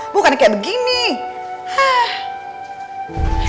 bukan kayak begini hah